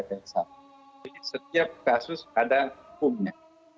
jadi setiap kasus ada hukumnya